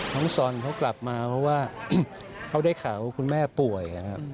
ห้องซนเขากลับมาเพราะว่าเขาได้เขาคุณแม่ป่วย